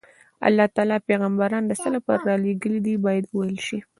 الله تعالی پیغمبران د څه لپاره رالېږلي دي باید وویل شي.